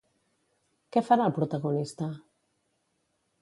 Què farà el protagonista?